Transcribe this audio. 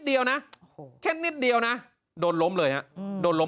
เดียวนะโอ้โหแค่นิดเดียวนะโดนล้มเลยฮะโดนล้ม